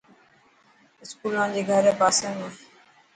اسڪول مانجي گھر ري پاسي ۾.